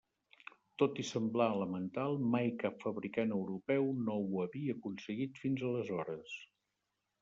Tot i semblar elemental, mai cap fabricant europeu no ho havia aconseguit fins aleshores.